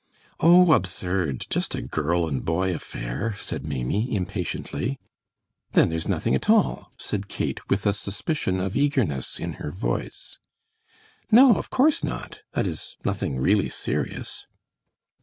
"Oh, absurd just a girl and boy affair," said Maimie, impatiently. "Then there's nothing at all," said Kate, with a suspicion of eagerness in her voice. "No, of course not that is, nothing really serious."